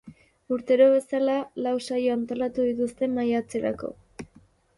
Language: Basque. Urtero bezala, lau saio antolatu dituzte maiatzerako.